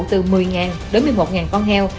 từ một mươi đến một mươi một con heo